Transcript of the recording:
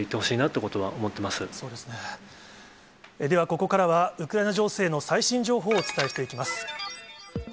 ではここからは、ウクライナ情勢の最新の情報をお伝えしていきます。